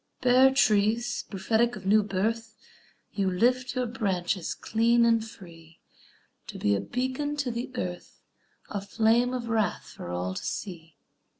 Bare trees, prophetic of new birth, You lift your branches clean and free To be a beacon to the earth, A flame of wrath for all to see.